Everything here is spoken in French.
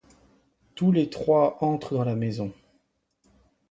Tous les trois entrent dans la maison.